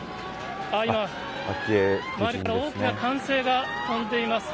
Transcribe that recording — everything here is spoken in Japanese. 今、周りから大きな歓声が飛んでいます。